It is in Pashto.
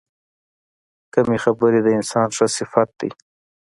کمې خبرې، د انسان ښه صفت دی.